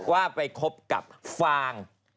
ว่าไปคบกับฟาง